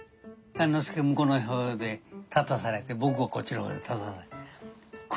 雁之助向こうの方で立たされて僕はこっちの方で立たされて。